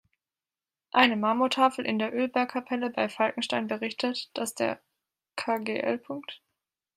Eine Marmortafel in der Ölbergkapelle bei Falkenstein berichtet, dass „der Kgl.